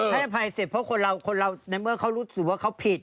ให้อภัยเสร็จเพราะคนเราคนเราในเมื่อเขารู้สึกว่าเขาผิด